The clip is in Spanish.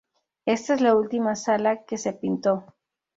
Esta es la última sala que se pintó.